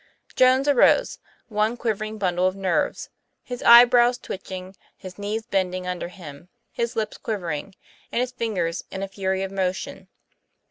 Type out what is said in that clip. Jones arose, one quivering bundle of nerves, his eyebrows twitching, his knees bending under him, his lips quivering, and his fingers in a fury of motion.